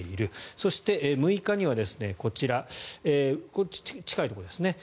そして、６日にはこちら近いところですね。